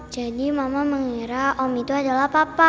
mama mengira om itu adalah papa